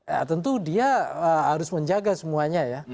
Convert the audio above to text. ya tentu dia harus menjaga semuanya ya